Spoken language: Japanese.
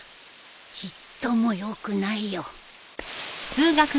ちっともよくないよ